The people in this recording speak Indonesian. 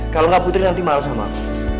kalau gak putri nanti malu sama aku